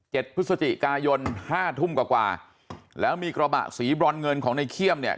พฤศจิกายนห้าทุ่มกว่ากว่าแล้วมีกระบะสีบรอนเงินของในเขี้ยมเนี่ย